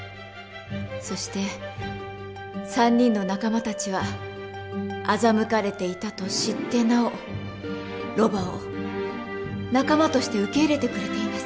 そして３人の仲間たちは欺かれていたと知ってなおロバを仲間として受け入れてくれています。